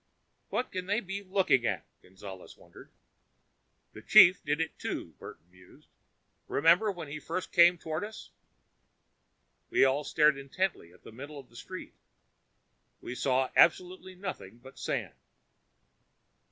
"What can they be looking at?" Gonzales wondered. "The chief did it too," Burton mused. "Remember when he first came toward us?" We all stared intently at the middle of the street. We saw absolutely nothing but sand.